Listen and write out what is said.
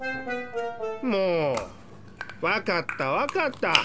もうわかったわかった！